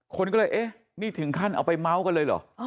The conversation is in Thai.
คนก็เลยเอ๊ะนี่ถึงขั้นเอาไปเม้ากันเลยเหรอ